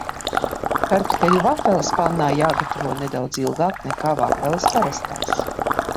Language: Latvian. Kartupeļu vafeles pannā jāgatavo nedaudz ilgāk nekā vafeles parastās.